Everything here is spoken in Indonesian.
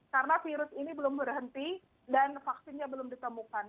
karena virus ini belum berhenti dan vaksinnya belum ditemukan